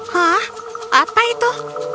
hah apa itu